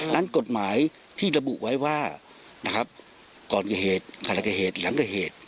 นั่นกฎหมายที่ระบุไว้ว่าก่อนกระเหตุหลักกระเหตุหลังกระเหตุ